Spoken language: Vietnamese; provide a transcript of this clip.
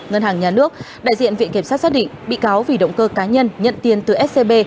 ngân hàng nhà nước đại diện viện kiểm sát xác định bị cáo vì động cơ cá nhân nhận tiền từ scb